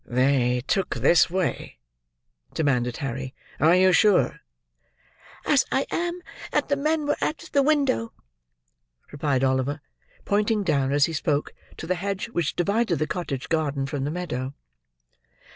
"They took this way?" demanded Harry: "are you sure?" "As I am that the men were at the window," replied Oliver, pointing down, as he spoke, to the hedge which divided the cottage garden from the meadow.